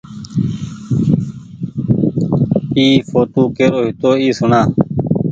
اي ڦوٽو ڪرو هيتو اي سوڻآ۔